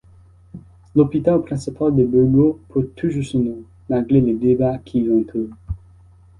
L'hôpital principal de Burgos porte toujours son nom, malgré les débats qui l'entourent.